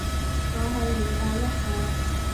我去研究一下